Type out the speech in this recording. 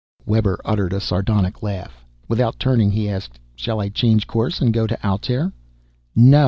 Webber uttered a sardonic laugh. Without turning he asked, "Shall I change course and go to Altair?" "No!"